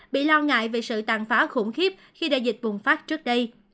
bị lo ngại về sự tàn phá khủng khiếp khi đại dịch bùng phát trước đây